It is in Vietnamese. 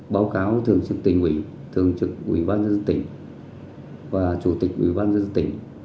báo cáo thường trực tỉnh ủy thường trực ủy ban dân tỉnh và chủ tịch ủy ban dân tỉnh